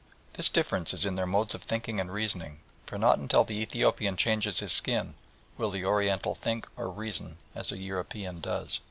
This difference is in their modes of thinking and reasoning, for not until the Ethiopian changes his skin will the Oriental think or reason as a European does.